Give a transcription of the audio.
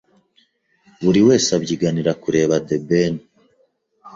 buri wese abyiganira kureba The Ben